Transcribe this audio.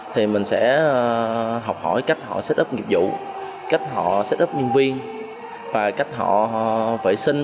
thì mình sẽ học hỏi cách họ set up nghiệp vụ cách họ set up nhân viên và cách họ vệ sinh